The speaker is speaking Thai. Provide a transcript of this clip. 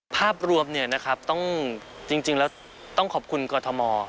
ภาพรวมจริงแล้วต้องขอบคุณกรทม